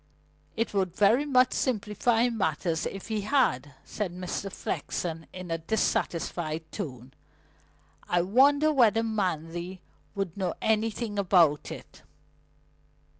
"It would very much simplify matters if he had," said Mr. Flexen in a dissatisfied tone. "I wonder whether Manley would know anything about it?"